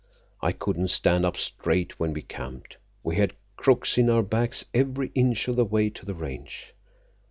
I couldn't stand up straight when we camped. We had crooks in our backs every inch of the way to the Range.